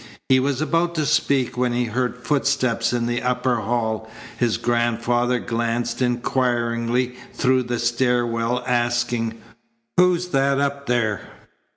He was about to speak when he heard footsteps in the upper hall. His grandfather glanced inquiringly through the stair well, asking: "Who's that up there?"